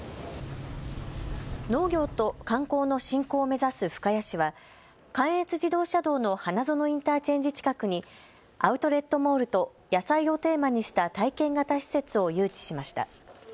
農業と観光の振興を目指す深谷市は関越自動車道の花園インターチェンジ近くにアウトレットモールと野菜をテーマにした体験型施設を誘致しました。